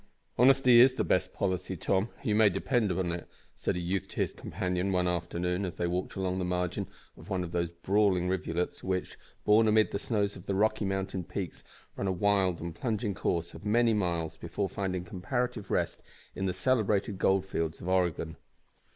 "`Honesty is the best policy,' Tom, you may depend on it," said a youth to his companion, one afternoon, as they walked along the margin of one of those brawling rivulets which, born amid the snows of the Rocky Mountain peaks, run a wild and plunging course of many miles before finding comparative rest in the celebrated goldfields of Oregon.